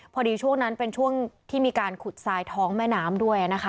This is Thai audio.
ช่วงนั้นเป็นช่วงที่มีการขุดทรายท้องแม่น้ำด้วยนะคะ